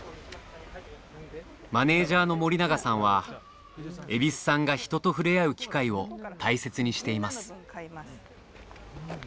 マネージャーの森永さんは蛭子さんが人と触れ合う機会を大切にしています。